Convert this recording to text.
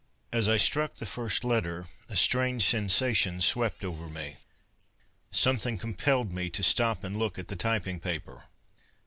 _As I struck the first letter, a strange sensation swept over me. Something compelled me to stop and look at the typing paper.